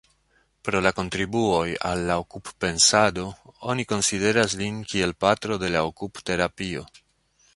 Pro la kontribuoj al la okup-pensado oni konsideras lin kiel patro de la okup-terapio.